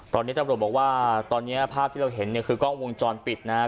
ตอนนี้ตำรวจบอกว่าตอนนี้ภาพที่เราเห็นเนี่ยคือกล้องวงจรปิดนะฮะ